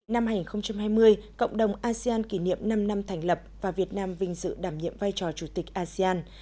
năm hai nghìn hai mươi cộng đồng asean kỷ niệm năm năm thành lập và việt nam vinh dự đảm nhiệm vai trò chủ tịch asean